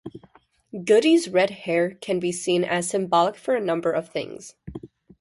Goody's "red hair" can be seen as symbolic for a number of things.